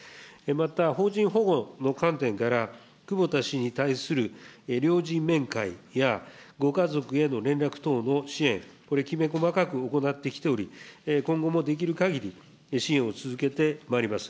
また、邦人保護の観点から久保田氏に対するりょうじんめんかいやご家族への連絡等への支援、これきめ細かく行ってきており、今後もできるかぎり、支援を続けてまいります。